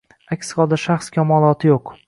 Aks holda shaxs kamoloti yo`q